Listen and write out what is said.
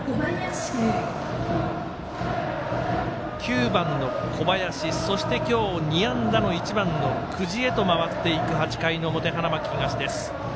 ９番の小林、そして今日２安打の１番の久慈へと回っていく８回の表、花巻東です。